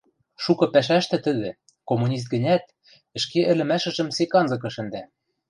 шукы пӓшӓштӹ тӹдӹ, коммунист гӹнят, ӹшке ӹлӹмӓшӹжӹм сек анзыкы шӹндӓ.